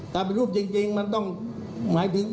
ถ้าเป็นรูปจริงมันต้องหมายถึง